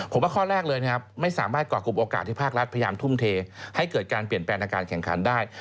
ผมว่าข้อแรกเลยนะครับไม่สามารถก่อกลุ่มโอกาสที่ภาครัฐพยายามทุ่มเทให้เกิดการเปลี่ยนแปลงอาการแข่งขันได้